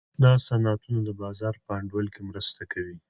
دا صنعتونه د بازار په انډول کې مرسته کوي.